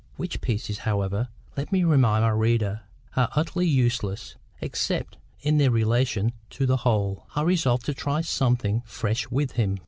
(which pieces, however, let me remind my reader, are utterly useless, except in their relation to the whole)—I resolved to try something fresh with him.